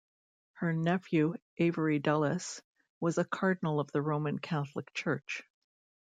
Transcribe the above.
Her nephew Avery Dulles was a cardinal of the Roman Catholic Church.